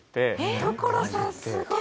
所さんすごい！